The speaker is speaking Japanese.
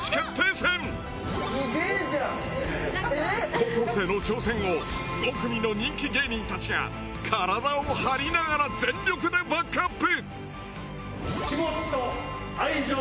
高校生の挑戦を５組の人気芸人たちが体を張りながら全力でバックアップ！